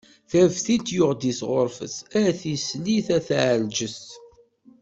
Taftilt yuɣen di tɣurfet, a tislit a taɛelǧet.